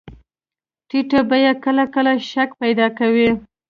ټیټه بیه کله کله شک پیدا کوي.